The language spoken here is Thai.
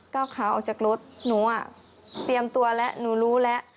ก้าวขาออกจากรถหนูอ่ะเตรียมตัวแล้วหนูรู้แล้ว